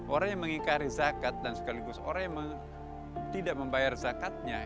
orang yang mengikari zakat dan sekaligus orang yang tidak membayar zakatnya